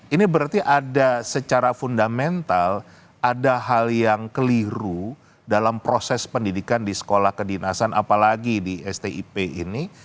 ini berarti ada secara fundamental ada hal yang keliru dalam proses pendidikan di sekolah kedinasan apalagi di stip ini